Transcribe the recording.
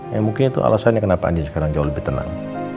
ya mungkin itu alasannya kenapa andi sekarang jauh lebih tenang